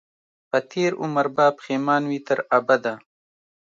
په تېر عمر به پښېمان وي تر ابده